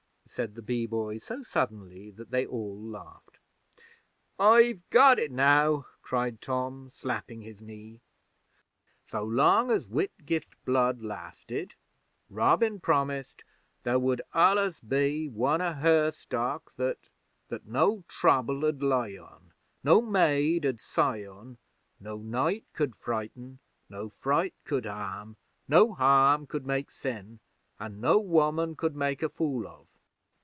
said the Bee Boy so suddenly that they all laughed. 'I've got it now!' cried Tom, slapping his knee. 'So long as Whitgift blood lasted, Robin promised there would allers be one o' her stock that that no Trouble 'ud lie on, no Maid 'ud sigh on, no Night could frighten, no Fright could harm, no Harm could make sin, an' no Woman could make a fool of.'